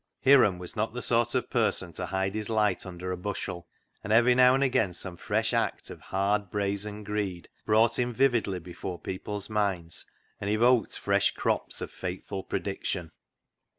Hiram was not the sort of person to hide his light under a bushel, and every now and again some fresh act of hard, brazen greed brought him vividly before people's minds, and evoked fresh crops of fateful prediction.